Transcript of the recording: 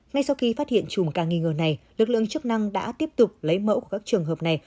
ngay sau khi phát hiện chùm ca nghi ngờ này lực lượng chức năng đã tiếp tục lấy mẫu của các trường hợp này